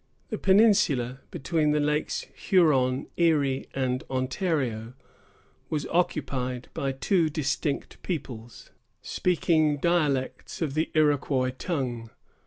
The peninsula between the Lakes Huron, Erie, and Ontario was occupied by two distinct peoples, speaking dialects of the Iroquois tongue.